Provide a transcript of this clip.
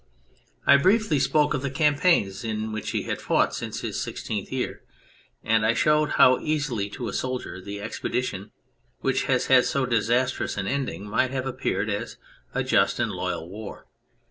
I briefly spoke of the campaigns in which he had fought since his sixteenth year, and I showed how easily to a soldier the expedition which has had so disastrous an ending might have appeared as a just and loyal war.